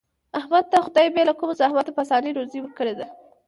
احمد ته خدای بې له کوم زحمته په اسانه روزي ورکړې ده.